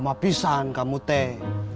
sama pisahan kamu teh